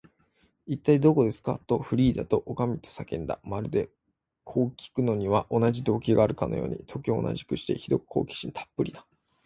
「いったい、どこですか？」と、フリーダとおかみとが叫んだ。まるで、こうきくのには同じ動機があるかのように、時を同じくして、ひどく好奇心たっぷりな